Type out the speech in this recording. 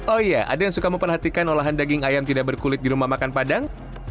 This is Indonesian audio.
oh iya ada yang suka memperhatikan olahan daging ayam tidak berkulit di rumah makan padang